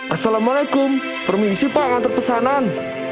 assalamualaikum permisi pak akan terpesanan